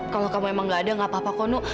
kalau kamu emang gak ada nggak apa apa kok nok